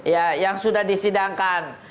ya yang sudah disidangkan